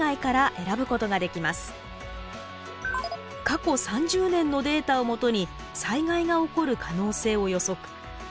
過去３０年のデータをもとに災害が起こる可能性を予測。